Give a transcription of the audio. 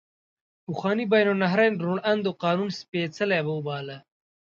پخواني بین النهرین روڼ اندو قانون سپیڅلی وباله.